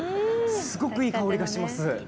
すごくいい香りがします。